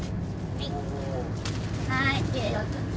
はい。